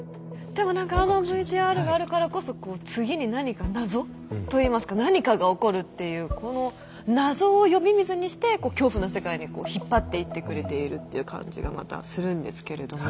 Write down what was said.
でも何かあのＶＴＲがあるからこそ次に何か謎といいますか何かが起こるっていうこの謎を呼び水にしてこう恐怖の世界に引っ張っていってくれているって感じがまたするんですけれども。